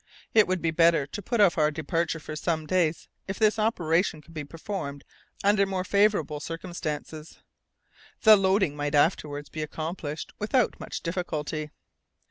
It would be better to put off our departure for some days if this operation could be performed under more favourable circumstances. The loading might be afterwards accomplished without much difficulty.